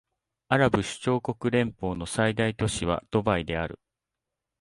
アラブ首長国連邦の最大都市はドバイである